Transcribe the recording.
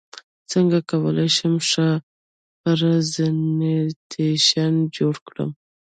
څنګه کولی شم ښه پرزنټیشن جوړ کړم